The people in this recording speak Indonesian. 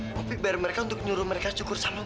kopi bayar mereka untuk nyuruh mereka syukur sama gue